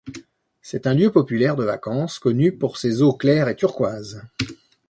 C'est un lieu populaire de vacances, connu pour ses eaux claires et turquoise.